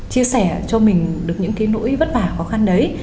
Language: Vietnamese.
chia sẻ cho mình được những cái nỗi vất vả khó khăn đấy